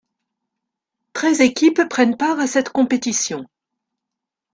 Treize équipes prennent part à cette compétition.